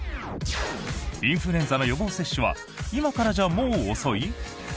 インフルエンザの予防接種は今からじゃもう遅い？